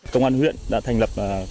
công an huyện đã thành lập